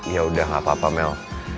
yaudah gak apa apa mel